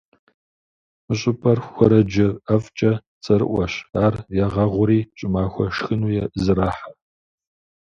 Мы щӏыпӏэр хуэрэджэ ӏэфӏкӏэ цӏэрыӏуэщ, ар ягъэгъури, щӏымахуэ шхыну зэрахьэ.